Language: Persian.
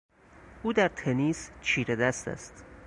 او در تنیس چیره دست است.